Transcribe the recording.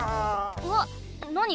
うわっなに？